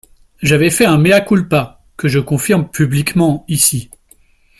J’avais fait un mea culpa que je confirme publiquement ici.